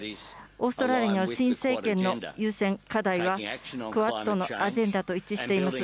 オーストラリアには新政権の優先課題は、クアッドのアジェンダと一致しています。